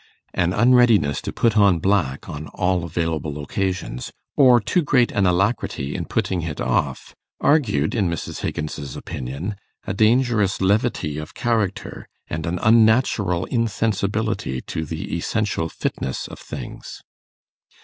An unreadiness to put on black on all available occasions, or too great an alacrity in putting it off, argued, in Mrs. Higgins's opinion, a dangerous levity of character, and an unnatural insensibility to the essential fitness of things.